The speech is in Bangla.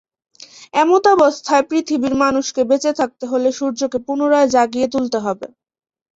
এমতাবস্থায় পৃথিবীর মানুষকে বেঁচে থাকতে হলে সূর্যকে পুনরায় জাগিয়ে তুলতে হবে।